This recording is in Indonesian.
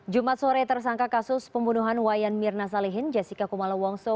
jumat sore tersangka kasus pembunuhan wayan mirna salihin jessica kumala wongso